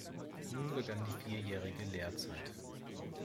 Nun begann die vierjährige Lehrzeit.